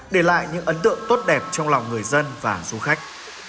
để lại những ấn tượng tốt đẹp trong lòng người dân và du khách